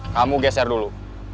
kamu geser dulu